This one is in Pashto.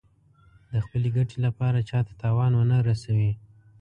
د خپلې ګټې لپاره چا ته تاوان ونه رسوي.